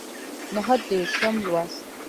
نهه دیرشم لوست